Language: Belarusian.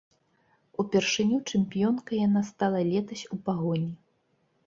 Упершыню чэмпіёнкай яна стала летась у пагоні.